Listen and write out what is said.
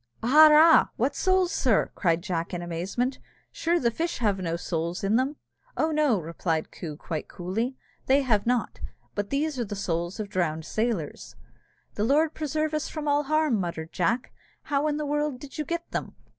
"Arrah! what souls, sir?" said Jack, in amazement; "sure the fish have no souls in them?" "Oh! no," replied Coo, quite coolly, "that they have not; but these are the souls of drowned sailors." "The Lord preserve us from all harm!" muttered Jack, "how in the world did you get them?"